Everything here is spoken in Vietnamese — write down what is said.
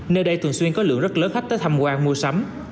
nơi đây thường xuyên có lượng rất lớn khách tới tham quan mua sắm